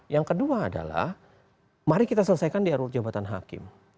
yang kedua adalah mari kita selesaikan di rut jabatan hakim